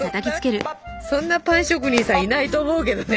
そんなパン職人さんいないと思うけどね。